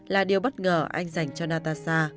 là điều bất ngờ anh dành cho natasha